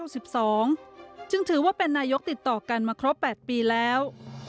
ซึ่งถือว่าเป็นนายกติดต่อกันมาครบ๘ปีแล้ว